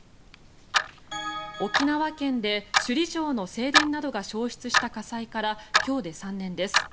沖縄県で首里城の正殿などが焼失した火災から今日で３年です。